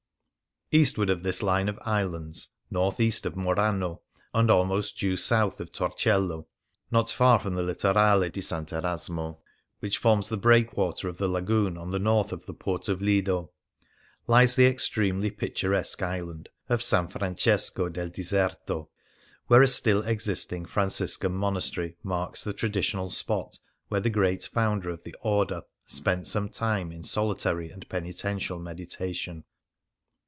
Eastward of this line of islands — north east of Murano and almost due south of Torcello, not far from the Litorale di S. Erasmo, which forms the breakwater of the Lagoon on the north of the " port of Lido "— lies the extremely picturesque island of S. Francesco del Diserto, where a still existing Franciscan monastery marks the traditional spot where the great founder of the Order spent some time in solitary and penitential meditation.